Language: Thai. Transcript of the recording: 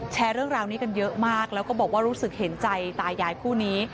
แชร์เรื่องราวนี้กันเยอะมากแล้วก็บอกว่ารู้สึกเห็นใจตายายคู่นี้